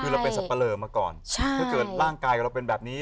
คือเราเป็นสับปะเลอมาก่อนถ้าเกิดร่างกายเราเป็นแบบนี้